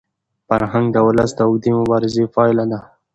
فرهنګ د ولس د اوږدې مبارزې پایله ده.